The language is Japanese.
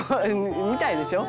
みたいでしょ？」